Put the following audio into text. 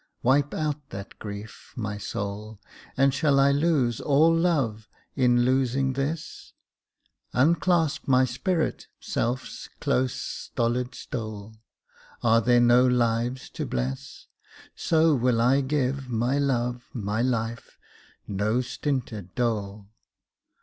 Wipe out that grief, my soul, And shall I lose all love, in losing this? Unclasp my spirit, self's close stolid stole. Are there no lives to bless? So will I give my love, my life, no stinted dole.